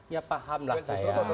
ya paham lah saya